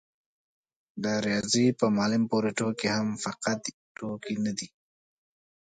د رياضي په معلم پورې ټوکې هم فقط ټوکې نه دي.